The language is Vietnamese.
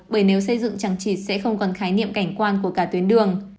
bởi nếu xây dựng chẳng chịt sẽ không còn khái niệm cảnh quan của cả tuyến đường